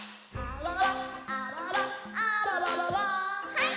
はい！